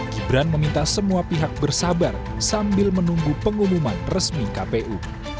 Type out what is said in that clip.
gibran meminta semua pihak bersabar sambil menunggu pengumuman resmi kpu